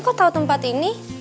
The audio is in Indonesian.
kok tau tempat ini